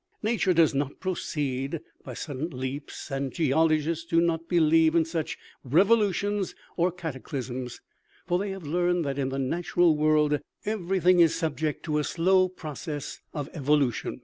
"Nature does not proceed by sudden leaps, and geol ogists do not believe in such revolutions or cata clysms ; for they have learned that in the natural world everything is subject to a slow process of evo lution.